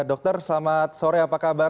dokter selamat sore apa kabar